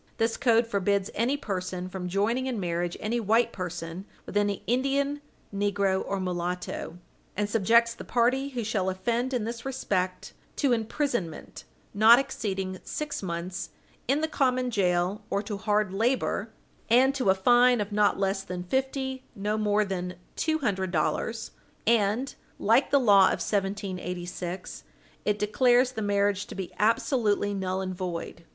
This code forbids any person from joining in marriage any white person with any Indian, negro, or mulatto, and subjects the party who shall offend in this respect to imprisonment not exceeding six months in the common jail or to hard labor, and to a fine of not less than fifty nor more than two hundred dollars, and, like the law of 1786, it declares the marriage to be absolutely null and void.